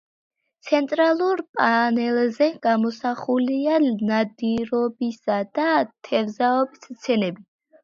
ცენტრალურ პანელზე გამოსახულია ნადირობისა და თევზაობის სცენები.